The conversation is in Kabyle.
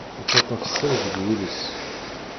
Yettaṭṭaf sser deg wul-is.